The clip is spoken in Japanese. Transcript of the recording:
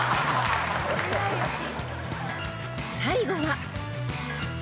［最後は］